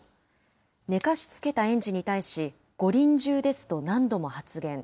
寝かしつけた園児に対し、ご臨終ですと何度も発言。